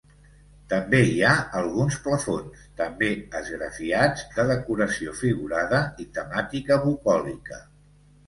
També hi ha alguns plafons, també esgrafiats, de decoració figurada i temàtica bucòlica.